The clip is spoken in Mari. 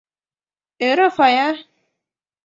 — Ӧрӧ Фая.